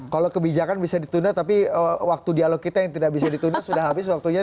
kalau kebijakan bisa ditunda tapi waktu dialog kita yang tidak bisa ditunda sudah habis waktunya